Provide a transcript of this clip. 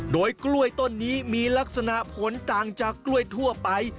โดยกล้วยต้นนี้มีลักษณะผลต่างจากกล้วยทั่วไป